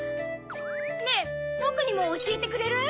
ねぇボクにもおしえてくれる？